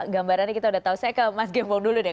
gambarannya kita udah tahu saya ke mas gembong dulu deh